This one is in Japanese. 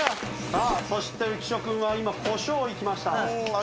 さあそして浮所君は今胡椒いきました。